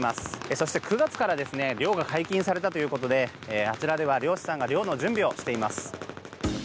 そして９月から漁が解禁されたということであちらでは漁師さんが漁の準備をしています。